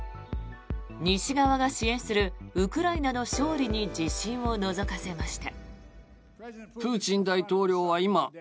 西側が支援するウクライナの勝利に自信をのぞかせました。